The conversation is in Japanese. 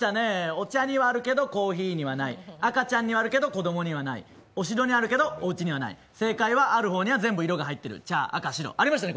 お茶にはあるけどコーヒーにはない赤ちゃんにはあるけど子供にはないお城にあるけどおうちにはない正解はある方には全部色が入ってる茶赤白ありましたね